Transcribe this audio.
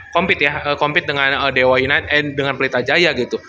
compete ya compete dengan dewa united dengan pritajaya gitu